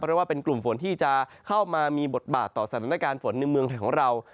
เพราะว่าเป็นกลุ่มฝนที่จะเข้ามามีบทบาทต่อสถานการณ์ฝนในเมืองไทยของเรา